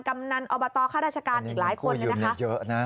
กำนันอบตค่าราชการอีกหลายคนนี่เงินกู้ยืมเยอะนะ